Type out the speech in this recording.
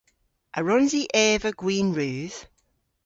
A wrons i eva gwin rudh?